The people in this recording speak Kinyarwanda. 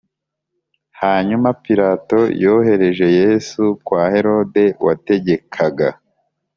Hanyuma Pilato yohereje Yesu kwa Herode wategekaga